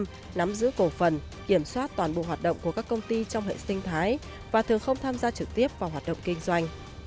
tập đoàn vạn thịnh pháp giữ cổ phần kiểm soát toàn bộ hoạt động của các công ty trong hệ sinh thái và thường không tham gia trực tiếp vào hoạt động kinh doanh